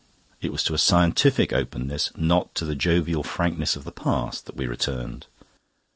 It was to a scientific openness, not to the jovial frankness of the past, that we returned.